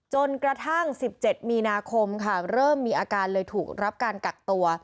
จนกระทั่ง๑๗มีนาคมค่ะเริ่มมีอาการเลยถูกรับการกักตัว